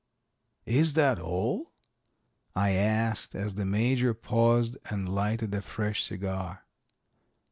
"Is that all?" I asked, as the major paused and lighted a fresh cigar.